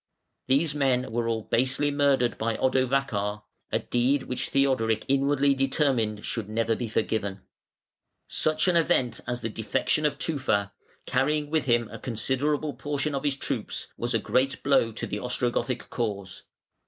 These men were all basely murdered by Odovacar, a deed which Theodoric inwardly determined should never be forgiven (492). Such an event as the defection of Tufa, carrying with him a considerable portion of his troops, was a great blow to the Ostrogothic cause.